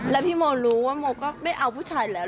แล้วพี่โมรู้ว่าโมก็ไม่เอาผู้ชายแล้ว